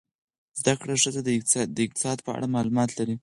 زده کړه ښځه د اقتصاد په اړه معلومات لري.